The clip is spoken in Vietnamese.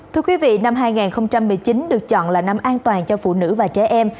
thưa quý vị năm hai nghìn một mươi chín được chọn là năm an toàn cho phụ nữ và trẻ em